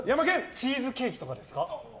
チーズケーキとかですか？